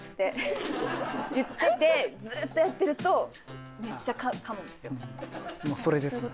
ずっとやってるとめっちゃかむんですよ。